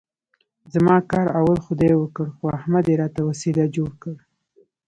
زما کار اول خدای وکړ، خو احمد یې راته وسیله جوړ کړ.